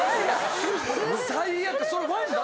最悪！